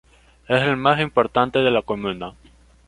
Es el más importante de la comuna.